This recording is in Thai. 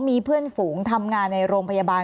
มีเพื่อนฝูงทำงานในโรงพยาบาล